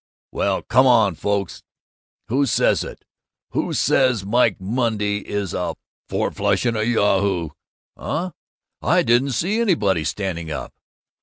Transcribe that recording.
Well, come on, folks! Who says it? Who says Mike Monday is a fourflush and a yahoo? Huh? Don't I see anybody standing up?